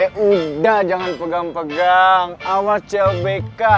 eh udah jangan pegang pegang awas clbk